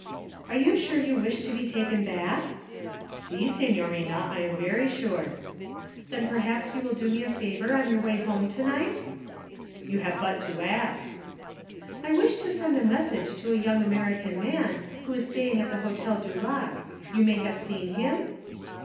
'Are you sure you wish to be taken back?' 'Si, signorina, I am very sure.' 'Then perhaps you will do me a favour on your way home to night?' 'You have but to ask.' 'I wish to send a message to a young American man who is staying at the Hotel du Lac you may have seen him?'